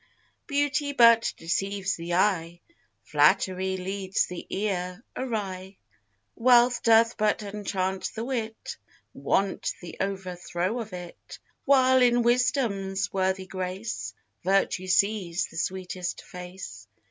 Beauty but deceives the eye; Flattery leads the ear awry; Wealth doth but enchant the wit; Want, the overthrow of it; While in Wisdom's worthy grace, Virtue sees the sweetest face.